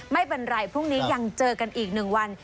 ไม่เป็นไรพรุ่งนี้ยังเจอกันอีก๑วัน